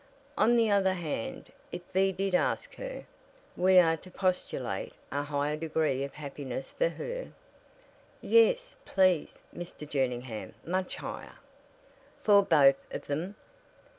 "On the other hand, if B did ask her, we are to postulate a higher degree of happiness for her?" "Yes, please, Mr. Jerningham much higher." "For both of them?"